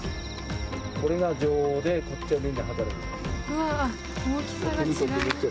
これが女王でこっちがみんな働きバチ。